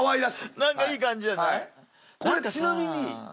何かいい感じじゃない？